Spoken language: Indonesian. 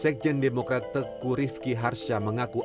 sekjen demokrat teku rifki harsya mengaku